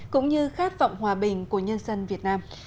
cũng như khát vọng hòa bình của nhân dân việt nam